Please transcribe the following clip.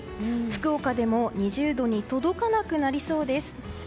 福岡でも２０度に届かなくなりそうです。